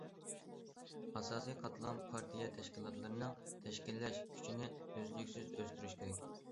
ئاساسىي قاتلام پارتىيە تەشكىلاتلىرىنىڭ تەشكىللەش كۈچىنى ئۈزلۈكسىز ئۆستۈرۈش كېرەك.